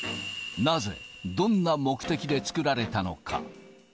なぜ、どんな目的で作られたのか。